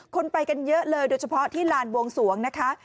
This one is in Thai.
คนไปกันเยอะเลยโดยเฉพาะที่ลานบวงสวงนะคะ